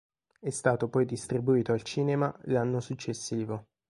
È stato poi distribuito al cinema l'anno successivo.